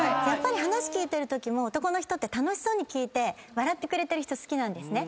話聞いてるときも男の人って楽しそうに聞いて笑ってくれてる人好きなんです。